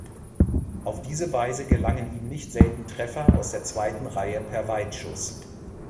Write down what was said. Auf diese Weise gelangen ihm nicht selten Treffer aus der zweiten Reihe per Weitschuss.